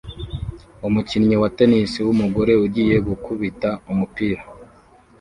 Umukinnyi wa tennis wumugore ugiye gukubita umupira